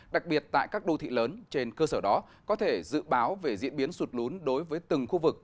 đặc biệt tại các đô thị lớn trên cơ sở đó có thể dự báo về diễn biến sụt lún đối với từng khu vực